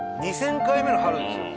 ２０００回目の春ですよ。